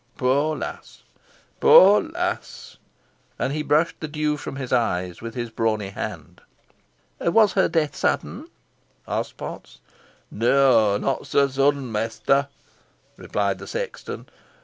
Poor lass! poor lass!" and he brushed the dew from his eyes with his brawny hand. "Was her death sudden?" asked Potts. "Neaw, not so sudden, mester," replied the sexton.